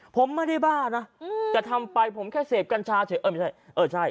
ผมไม่ได้บ้านะแต่ทำไปผมแค่เสพกัญชาเฉยเออไม่ใช่เออใช่